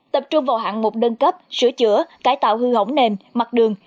tập trung vào hạng mục đơn cấp sửa chữa cải tạo hư hỏng nền mặt đường